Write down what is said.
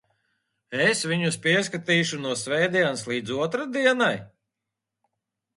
Es viņus pieskatīšu no svētdienas līdz otrdienai?